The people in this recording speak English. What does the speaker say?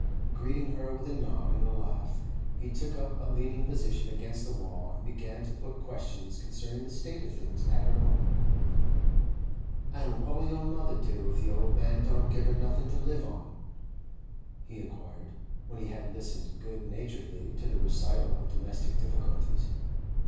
Greeting her with a nod and a laugh, he took up a leaning position against the wall, and began to put questions concerning the state of things at her home. 'And what'll your mother do if the old man don't give her nothing to live on?' he inquired, when he had listened good naturedly to the recital of domestic difficulties.